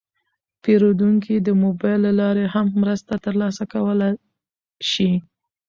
پیرودونکي د موبایل له لارې هم مرسته ترلاسه کولی شي.